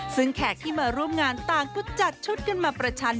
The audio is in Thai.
ซึ่งแขกที่มาร่วมงานต่างก็จัดชุดกันมาประชัน